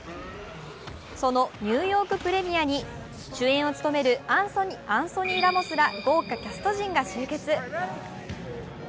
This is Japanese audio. そのニューヨークプレミアに主演を務めるアンソニー・ラモスら豪華キャスト陣が集結。